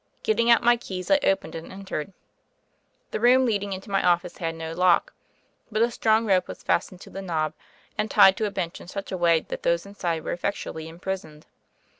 Getting out my keys I opened and en tered. The room leading into my office had no lock; but a strong rope was fastened to the knob and tied to a bench in such a way that those inside were effectually imprisoned.